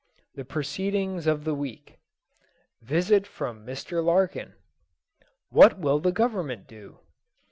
The proceedings of the week Visit from Mr. Larkin What will the Government do?